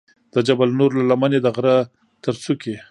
د جبل نور له لمنې د غره تر څوکې.